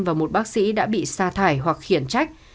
và một bác sĩ đã bị sa thải hoặc khiển trách